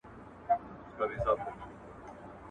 هر څوک د ټولنې په وړاندې مسؤل دی.